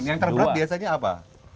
yang terberat biasanya apa